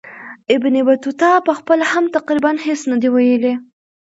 ابن بطوطه پخپله هم تقریبا هیڅ نه دي ویلي.